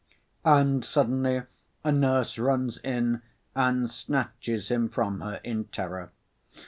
and suddenly a nurse runs in and snatches him from her in terror.